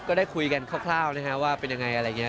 ก็ได้คุยกันคร่าวว่าเป็นอย่างไร